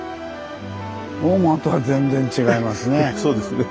大間とは全然違いますね。